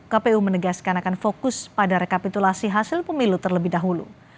kpu menegaskan akan fokus pada rekapitulasi hasil pemilu terlebih dahulu